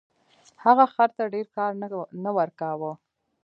هغه خر ته ډیر کار نه ورکاوه.